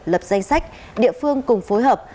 lập danh sách địa phương cùng phối hợp